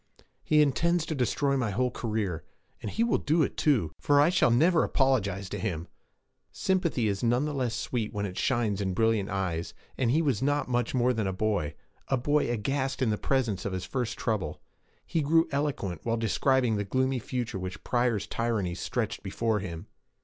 'He intends to destroy my whole career. And he will do it, too, for I shall never apologize to him!' Sympathy is none the less sweet when it shines in brilliant eyes, and he was not much more than a boy a boy aghast in the presence of his first trouble. He grew eloquent while he described the gloomy future which Pryor's tyranny stretched before him.